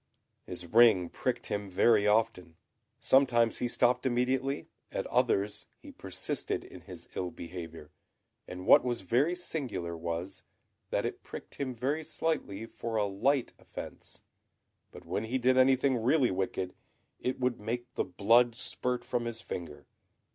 His ring pricked him very often. Sometimes he stopped immediately, at others he persisted in his ill behaviour; and what was very singular was, that it pricked him very slightly for a light offence, but when he did anything really wicked, it would make the blood spurt from his finger.